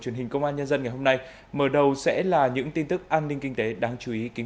truyền hình công an nhân dân ngày hôm nay mở đầu sẽ là những tin tức an ninh kinh tế đáng chú ý kính